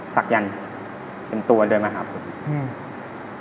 สักยันทร์เป็นตัวเดินมาหาผม